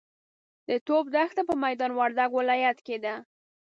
د ټوپ دښته په میدا وردګ ولایت کې ده.